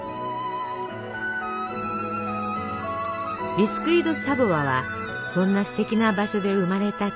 ビスキュイ・ド・サヴォワはそんなすてきな場所で生まれた地方菓子。